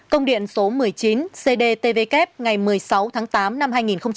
công điện số một mươi chín cdtvk ngày một mươi sáu tháng tám năm hai nghìn một mươi chín